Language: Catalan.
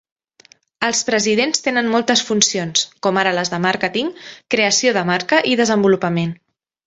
Els presidents tenen moltes funcions, com ara les de màrqueting, creació de marca i desenvolupament.